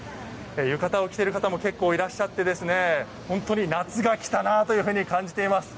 浴衣を着ている方も結構いらっしゃって本当に夏がきたなというふうに感じています。